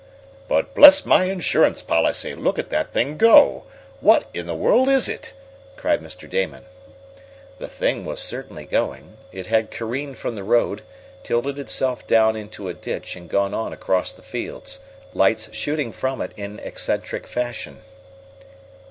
"But, bless my insurance policy, look at that thing go! What in the world is it?" cried Mr. Damon. The "thing" was certainly going. It had careened from the road, tilted itself down into a ditch and gone on across the fields, lights shooting from it in eccentric fashion.